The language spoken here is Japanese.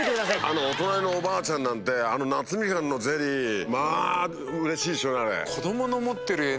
あのお隣のおばあちゃんなんて夏ミカンのゼリーまぁうれしいでしょうねあれ。